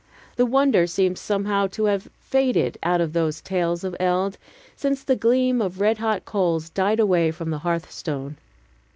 The wonder seems somehow to have faded out of those tales of eld since the gleam of red hot coals died away from the hearthstone.